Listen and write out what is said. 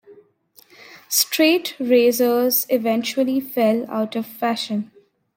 Straight razors eventually fell out of fashion.